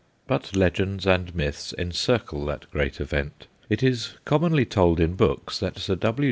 But legends and myths encircle that great event. It is commonly told in books that Sir W.